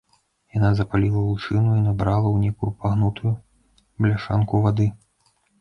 Яна запаліла лучыну і набрала ў нейкую пагнутую бляшанку вады.